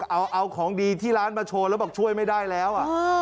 เอาของดีที่ร้านมาโชว์แล้วบอกช่วยไม่ได้แล้ว